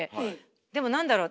でもなんだろう